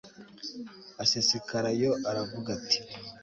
asesekara yo, aravuga ati